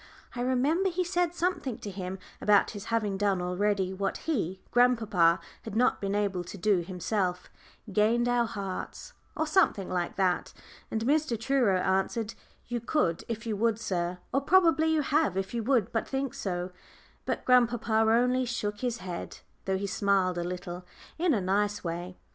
I remember he said something to him about his having done already what he grandpapa had not been able to do himself "gained our hearts," or something like that. And Mr. Truro answered. "You could if you would, sir, or probably you have if you would but think so." But grandpapa only shook his head, though he smiled a little in a nice way.